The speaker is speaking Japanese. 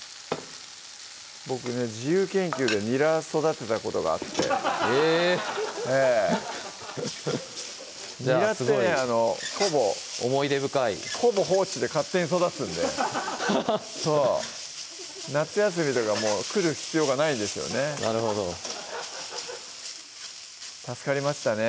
僕ね自由研究でにら育てたことがあってえぇええにらってねほぼ思い出深いほぼ放置で勝手に育つんでハハッ夏休みとか来る必要がないんですよねなるほど助かりましたね